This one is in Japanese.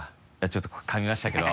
ちょっとかみましたけど。